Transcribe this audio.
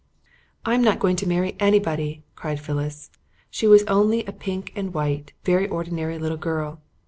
"I'm not going to marry anybody," cried Phyllis. She was only a pink and white, very ordinary little girl.